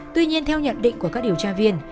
tuy nhiên theo nhận định của các điều tra viên